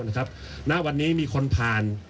นะครับณวันนี้มีคนผ่าน